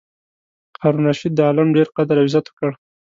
هارون الرشید د عالم ډېر قدر او عزت وکړ.